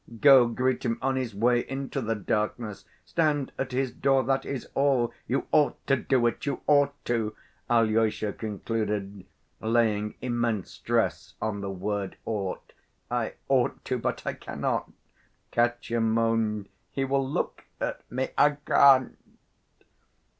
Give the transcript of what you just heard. Go, greet him on his way into the darkness—stand at his door, that is all.... You ought to do it, you ought to!" Alyosha concluded, laying immense stress on the word "ought." "I ought to ... but I cannot...." Katya moaned. "He will look at me.... I can't."